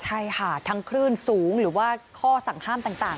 ใช่ค่ะทั้งคลื่นสูงหรือว่าข้อสั่งห้ามต่าง